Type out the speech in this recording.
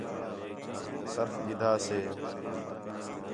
سرف گِدھا سے